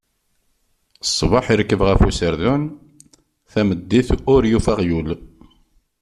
Ṣṣbeḥ irkeb ɣef userdun, tameddit ur yufi aɣyul.